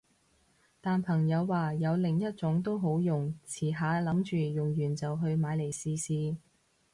但朋友話有另一種都好用，遲下諗住用完就去買嚟試試